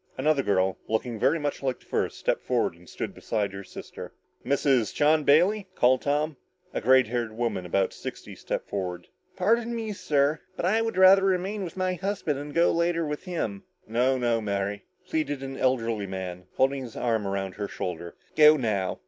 Another girl, looking very much like the first, stepped forward and stood beside her sister. "Mrs. John Bailey?" called Tom. A gray haired woman of about sixty stepped forward. "Pardon me, sir, but I would rather remain with my husband, and go later with him." "No no, Mary," pleaded an elderly man, holding his arm around her shoulder. "Go now.